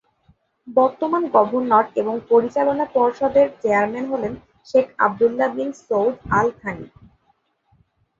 বর্তমান গভর্নর এবং পরিচালনা পর্ষদের চেয়ারম্যান হলেন Sheikh Abdullah bin Saud Al Thani.